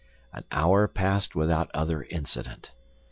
An hour passed without other incident.